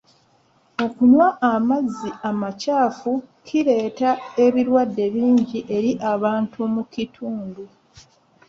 Okunywa amazzi amakyafu kireeta ebirwadde bingi eri abantu mu kitundu .